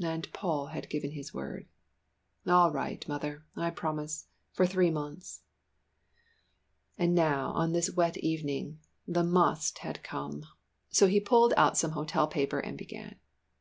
And Paul had given his word. "All right, mother I promise for three months." And now on this wet evening the "must" had come, so he pulled out some hotel paper and began.